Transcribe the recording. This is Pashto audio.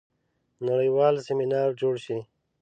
نړیوال سیمینار جوړ شي.